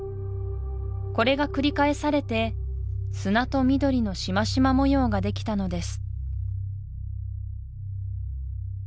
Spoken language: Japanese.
これが繰り返されて砂と緑の縞々模様ができたのです